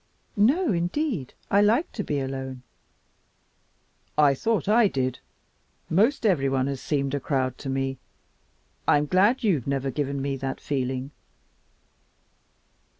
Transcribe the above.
"No, indeed, I like to be alone." "I thought I did. Most everyone has seemed a crowd to me. I'm glad you've never given me that feeling.